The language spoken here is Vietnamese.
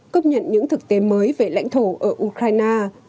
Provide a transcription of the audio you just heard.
công nhận những thực tế mới về lãnh thổ ở ukraine